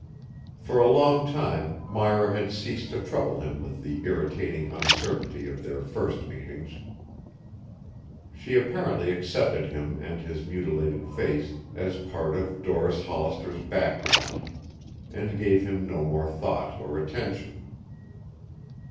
For a long time Myra had ceased to trouble him with the irritating uncertainty of their first meetings. She apparently accepted him and his mutilated face as part of Doris Hollister's background and gave him no more thought or attention.